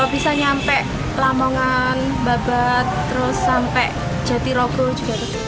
bisa nyampe lamongan babat terus sampai jatirogo juga